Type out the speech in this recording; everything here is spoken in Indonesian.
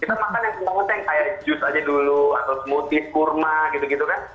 kita makan yang semut semutnya kayak jus aja dulu atau smoothie kurma gitu gitu kan